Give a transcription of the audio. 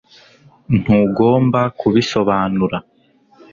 ntugomba kubisobanura